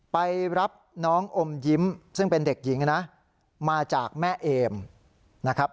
ไปรับน้องอมยิ้มซึ่งเป็นเด็กหญิงนะมาจากแม่เอมนะครับ